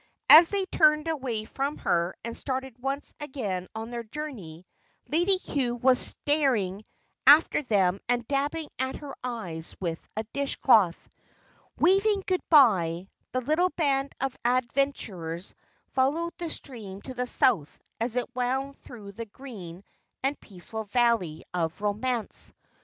As they turned away from her and started once again on their journey, Lady Cue was staring after them and dabbing at her eyes with a dish cloth. Waving goodbye, the little band of adventurers followed the stream to the south as it wound through the green and peaceful Valley of Romance.